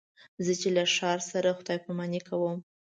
زه چې له هر ښار سره خدای پاماني کوم.